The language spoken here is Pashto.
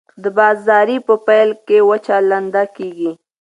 د بازي په پیل کښي وچه لنده کیږي.